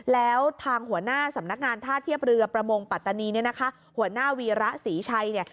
แล้วทางหัวหน้าสำนักงานท่าเทียบเรือประมงปัตตานีเนี่ยนะคะหัวหน้าวีระศรีชัยเนี่ย